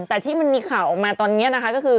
แต่ที่มันมีข่าวออกมาตอนนี้นะคะก็คือ